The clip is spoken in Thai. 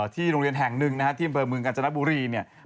ที่โรงเรียนแห่งหนึ่งที่หิวมือมื้องกัญชนักบุรีเนี่ี่ย